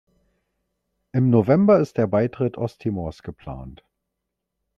Im November ist der Beitritt Osttimors geplant.